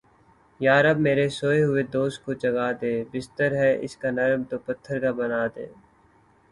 یا رب میرے سوئے ہوئے دوست کو جگا دے۔ بستر ہے اس کا نرم تو پتھر کا بنا دے